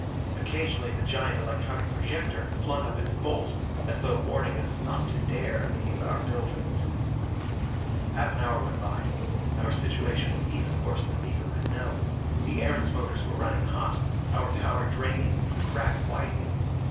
Occasionally the giant electronic projector flung up its bolt as though warning us not to dare leave our buildings. Half an hour went by. Our situation was even worse than Miko could know. The Erentz motors were running hot our power draining, the crack widening.